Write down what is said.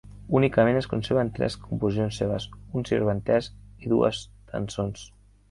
Únicament es conserven tres composicions seves: un sirventès i dues tençons.